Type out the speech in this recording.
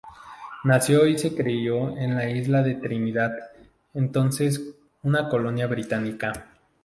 Nació y se crio en la isla de Trinidad, entonces una colonia británica.